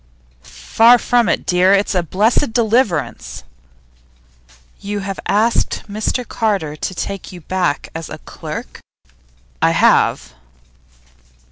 'Far from it, dear. It's a blessed deliverance.' 'You have asked Mr Carter to take you back as a clerk?' 'I have.